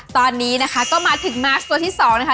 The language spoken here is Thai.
ตอนนี้นะคะก็มาถึงมาร์คตัวที่๒นะคะ